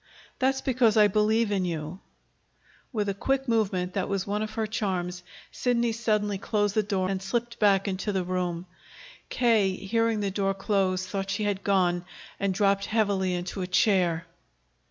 "That's because I believe in you." With a quick movement that was one of her charms, Sidney suddenly closed the door and slipped back into the room. K., hearing the door close, thought she had gone, and dropped heavily into a chair.